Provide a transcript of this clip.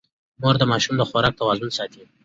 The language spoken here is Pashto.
مور د ماشوم د خوراک توازن ساتي.